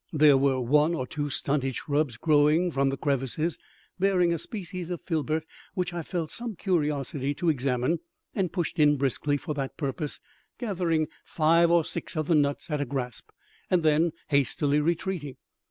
There were one or two stunted shrubs growing from the crevices, bearing a species of filbert which I felt some curiosity to examine, and pushed in briskly for that purpose, gathering five or six of the nuts at a grasp, and then hastily retreating.